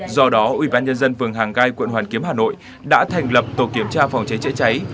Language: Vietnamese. do đó ubnd phường hàng gai quận hoàn kiếm hà nội đã thành lập tổ kiểm tra phòng cháy chữa cháy